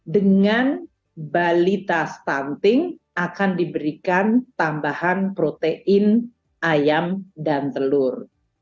dengan balita stunting akan diberikan tambahan protein ayam dan telur